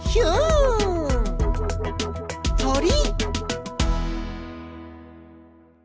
とり！